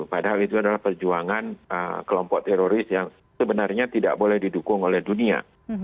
padahal itu adalah perjuangan kelompok teroris yang sebenarnya tidak boleh didukung oleh dunia